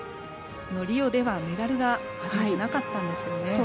リオではメダルが初めてなかったんですよね。